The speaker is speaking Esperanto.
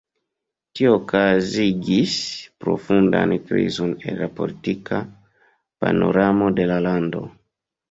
Tio okazigis profundan krizon en la politika panoramo de la lando.